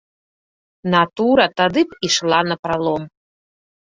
Натура тады б ішла напралом.